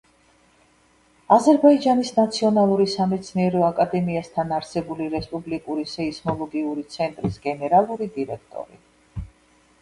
აზერბაიჯანის ნაციონალური სამეცნიერო აკადემიასთან არსებული რესპუბლიკური სეისმოლოგიური ცენტრის გენერალური დირექტორი.